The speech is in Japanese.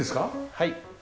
はい。